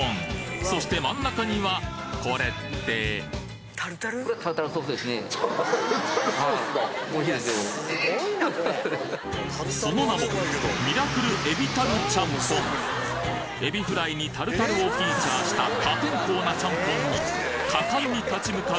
そして真ん中にはこれってその名もエビフライにタルタルをフィーチャーした破天荒なちゃんぽんに果敢に立ち向かう